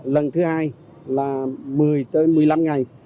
lần thứ hai là một mươi tới một mươi năm ngày